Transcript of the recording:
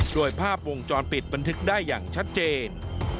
โดยภาพวงจรปิดบันทึกได้อย่างชัดเจน